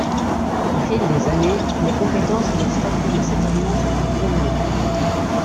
Au fil des années les compétences et les statuts de cette alliance ont évolué.